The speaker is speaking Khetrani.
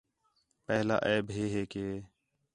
پہلا عیب ہِے ہِے کہ